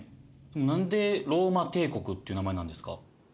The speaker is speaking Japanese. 何でローマ帝国っていう名前なんですか？